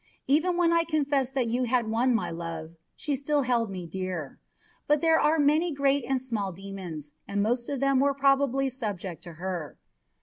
even when I confessed that you had won my love, she still held me dear. But there are many great and small demons, and most of them were probably subject to her.